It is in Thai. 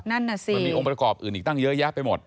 นั่นน่ะสิมันมีองค์ประกอบอื่นอีกตั้งเยอะแยะไปหมด